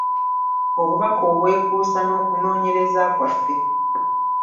Obubaka obwekuusa n’okunoonyereza kwaffe.